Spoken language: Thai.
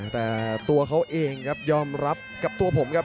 แต่ตัวเขาเองครับยอมรับกับตัวผมครับ